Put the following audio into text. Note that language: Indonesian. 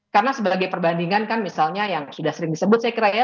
karena sebagai perbandingan kan misalnya yang sudah sering disebut saya kira ya